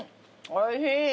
おいしい。